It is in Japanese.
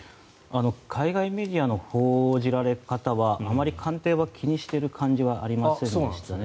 海外メディアの報じられ方はあまり官邸は気にしている感じはありませんでしたね。